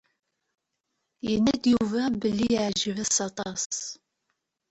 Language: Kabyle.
Yenna-d Yuba belli yeɛǧeb-as aṭas.